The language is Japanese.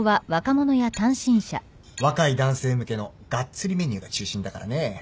若い男性向けのがっつりメニューが中心だからね。